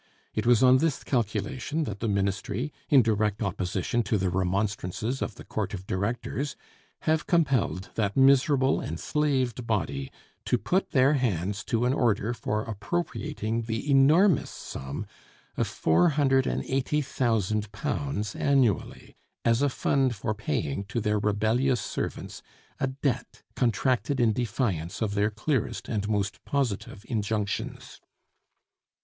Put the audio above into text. It was on this calculation that the ministry, in direct opposition to the remonstrances of the court of directors, have compelled that miserable enslaved body to put their hands to an order for appropriating the enormous sum of £480,000 annually, as a fund for paying to their rebellious servants a debt contracted in defiance of their clearest and most positive injunctions.